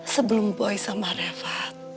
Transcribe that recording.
sebelum boy sama reva